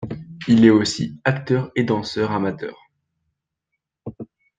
Il est aussi acteur et danseur amateur.